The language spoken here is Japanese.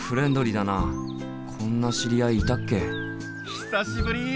久しぶり！